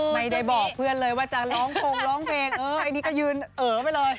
ไม่ได้บอกเพื่อนเลยว่าจะร้องคงร้องเพลงเออไอ้นี่ก็ยืนเอ๋อไปเลย